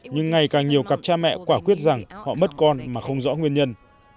nhưng ngày càng nhiều cặp cha mẹ quả quyết rằng họ mất con mà không rõ nguyên nhân